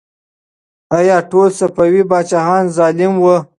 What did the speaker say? آیا ټول صفوي پاچاهان ظالم وو؟